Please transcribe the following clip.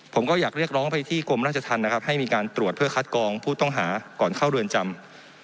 ผมก็อยากเรียกร้องไปที่กรมราชธรรมนะครับให้มีการตรวจเพื่อคัดกองผู้ต้องหาก่อนเข้าเรือนจำ